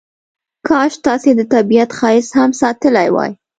کاش تاسې د طبیعت ښایست هم ساتلی وای.